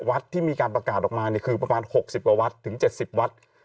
วัดที่มีการประกาศออกมาคือประมาณ๖๐กว่าวัดถึง๗๐วัด